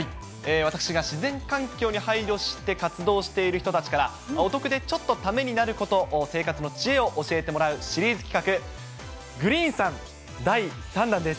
私が自然環境に配慮して活動している人たちからお得でちょっとためになること、生活の知恵を教えてもらうシリーズ企画、Ｇｒｅｅｎさん第３弾です。